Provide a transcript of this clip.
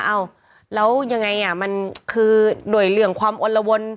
แล้วยังไงมันคือโดยเหลืองความอวลวน